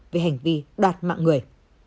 về hành vi đoạt mạng người